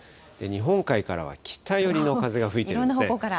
日本海からは北寄りの風が吹いていろんな方向から。